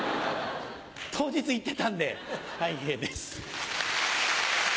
当日行ってたんでたい平です。